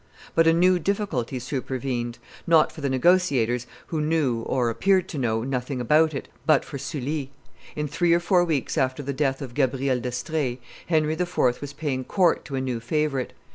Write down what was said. But a new difficulty supervened; not for the negotiators, who knew, or appeared to know, nothing about it, but for Sully. In three or four weeks after the death of Gabrielle d'Estrees Henry IV. was paying court to a new favorite.